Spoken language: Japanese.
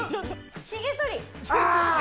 ひげそり！